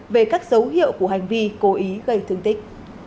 về các dấu hiệu của hành vi cố ý gây thương tích